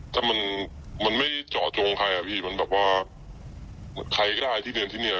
ก็มันมันไม่เจาะจงใครอ่ะพี่มันแบบว่าใครก็ได้ที่เดินที่เนี่ย